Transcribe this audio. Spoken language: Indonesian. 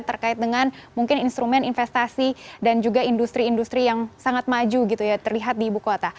terkait dengan mungkin instrumen investasi dan juga industri industri yang sangat maju gitu ya terlihat di ibu kota